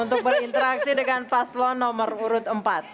untuk berinteraksi dengan paslon nomor urut empat